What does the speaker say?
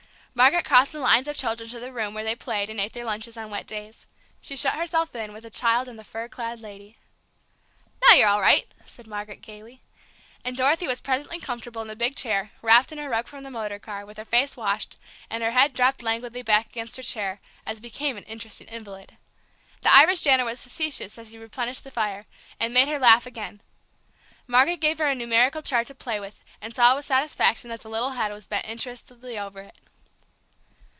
Margaret crossed the lines of children to the room where they played and ate their lunches on wet days. She shut herself in with the child and the fur clad lady. "Now you're all right!" said Margaret, gayly. And, Dorothy was presently comfortable in a big chair, wrapped in a rug from the motor car, with her face washed, and her head dropped languidly back against her chair, as became an interesting invalid. The Irish janitor was facetious as he replenished the fire, and made her laugh again. Margaret gave her a numerical chart to play with, and saw with satisfaction that the little head was bent interestedly over it.